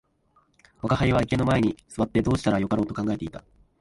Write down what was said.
吾輩は池の前に坐ってどうしたらよかろうと考えて見た